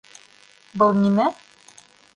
Был нимә?